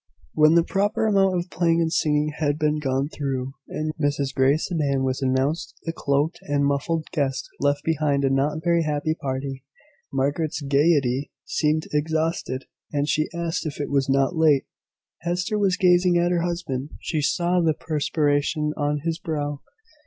When the proper amount of playing and singing had been gone through, and Mrs Grey's sedan was announced the cloaked and muffled guest left behind a not very happy party. Margaret's gaiety seemed exhausted, and she asked if it was not late. Hester was gazing at her husband. She saw the perspiration on his brow.